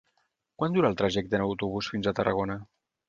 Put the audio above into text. Quant dura el trajecte en autobús fins a Tarragona?